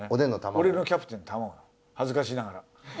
俺のキャプテン卵恥ずかしながら。